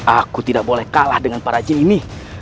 aku tidak boleh kalah dengan para jin ini